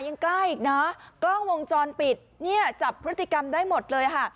ยังกล้าอีกนะกล้องวงจรปิดเนี่ยจับพฤติกรรมได้หมดเลยค่ะ